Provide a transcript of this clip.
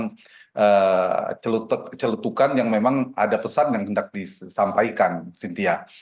dengan celetukan yang memang ada pesan yang hendak disampaikan cynthia